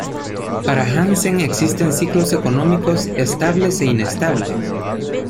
Para Hansen existen ciclos económicos estables e inestables.